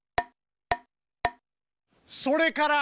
それから。